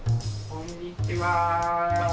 こんにちは。